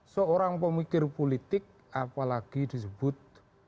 seorang pemikir politik apalagi disebut